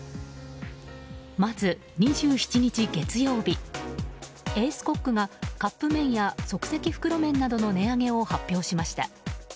まず２７日、月曜日エースコックがカップ麺や即席袋麺などの値上げを発表しました。